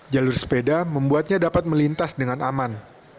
jalur sepeda membuatnya dapat melintas dengan aman